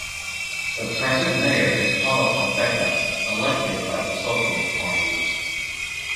The present Mayor is Paulo Fonseca, elected by the Socialist Party.